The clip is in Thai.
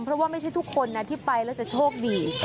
เพราะว่าไม่ใช่ทุกคนนะที่ไปแล้วจะโชคดี